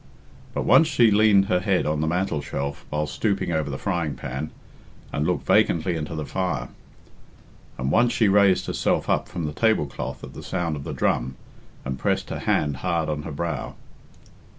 But once she leaned her head on the mantelshelf while stooping over the frying pan, and looked vacantly into the fire; and once she raised herself up from the table cloth at the sound of the drum, and pressed her hand hard on her brow.